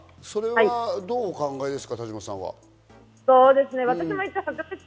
それはどうお考えですか？